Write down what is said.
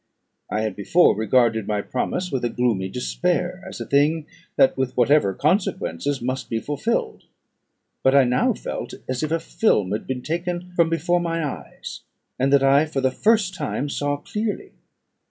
I had before regarded my promise with a gloomy despair, as a thing that, with whatever consequences, must be fulfilled; but I now felt as if a film had been taken from before my eyes, and that I, for the first time, saw clearly.